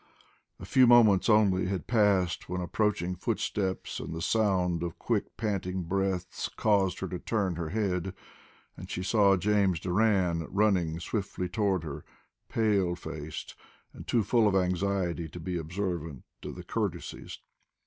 A few moments only had passed when approaching footsteps and the sound of quick panting breaths caused her to turn her head, and she saw James Doran running swiftly toward her, pale faced, and too full of anxiety to be observant of the courtesies.